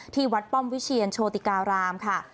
ที่วัดป้อมวิเชียนโชติการามค่ะ